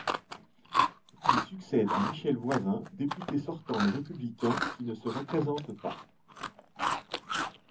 Il succède à Michel Voisin, député sortant Les Républicains qui ne se représente pas.